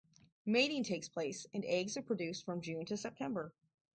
Mating takes place, and eggs are produced from June to September.